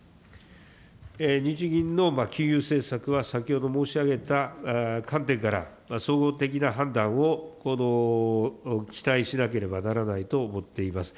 日銀の金融政策は、先ほど申し上げた観点から、総合的な判断を期待しなければならないと思っております。